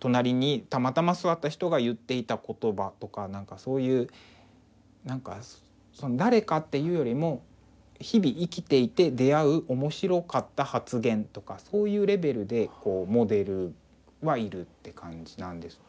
隣にたまたま座った人が言っていた言葉とかそういうなんか誰かっていうよりも日々生きていて出会う面白かった発言とかそういうレベルでモデルはいるって感じなんです。